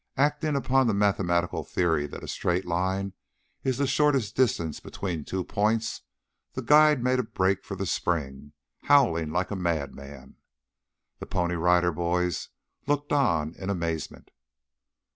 Acting upon the mathematical theory that a straight line is the shortest distance between two points, the guide made a break for the spring, howling like a madman. The Pony Rider Boys looked on in amazement.